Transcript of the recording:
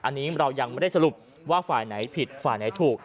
อันนี้เรายังไม่ได้สรุปว่าฝ่ายไหนผิดฝ่ายไหนถูก